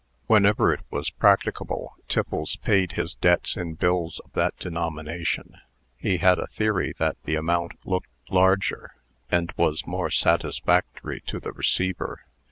(Whenever it was practicable, Tiffles paid his debts in bills of that denomination. He had a theory that the amount looked larger, and was more satisfactory to the receiver.)